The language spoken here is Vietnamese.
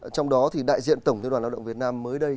trong đó thì đại diện tổng liên đoàn lao động việt nam mới đây